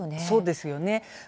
そうですね。